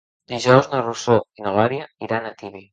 Dijous na Rosó i n'Eulàlia iran a Tibi.